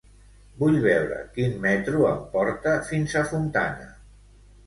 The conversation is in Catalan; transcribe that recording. Vull veure quin metro em porta fins a Fontana.